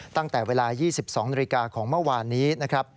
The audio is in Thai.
ตั้งแต่เวลา๒๒นาฬิกาของเมื่อวานนี้นะครับ